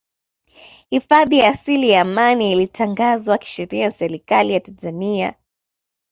Hifadhi ya asili ya Amani ilitangazwa kisheria na Serikali ya Tanzania